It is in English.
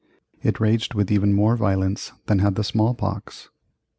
It raged with even more violence than had the small pox.